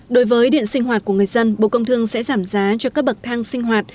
đối với điện sinh hoạt của người dân bộ công thương sẽ giảm giá cho các bậc thang sinh hoạt